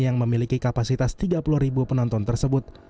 yang memiliki kapasitas tiga puluh ribu penonton tersebut